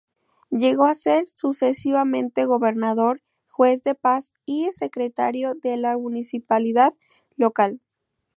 Llegó a ser sucesivamente gobernador, juez de paz y secretario de la municipalidad local.